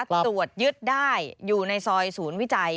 ตรวจยึดได้อยู่ในซอยศูนย์วิจัย